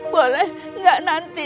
boleh gak nanti